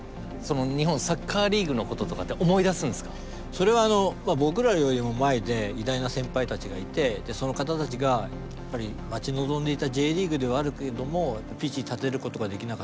それは僕らよりも前で偉大な先輩たちがいてその方たちがやっぱり待ち望んでいたＪリーグではあるけどもピッチに立てることができなかった。